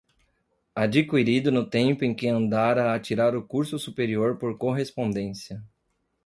adquirido no tempo em que andara a tirar o curso superior por correspondência